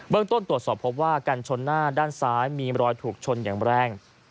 ต้นตรวจสอบพบว่ากันชนหน้าด้านซ้ายมีรอยถูกชนอย่างแรง